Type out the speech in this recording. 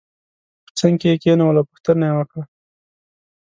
په څنګ کې یې کېنول او پوښتنه یې وکړه.